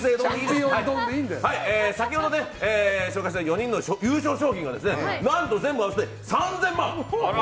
先ほど、紹介した４人の優勝賞金が全部合わせて３０００万円。